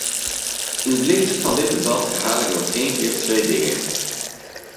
In het licht van dit debat, herhaal ik nog een keer twee dingen.